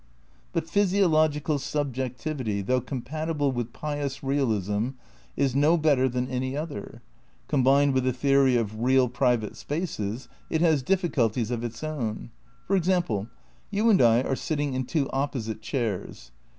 But physiological subjectivity, though compatible with pious realism, is no better than any other. Com bined with the theory of "real" private spaces, it has difSculties of its own. For example: You and I are sitting ia two op posite chairs.